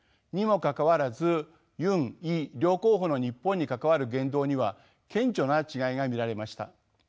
にもかかわらずユンイ両候補の日本に関わる言動には顕著な違いが見られました。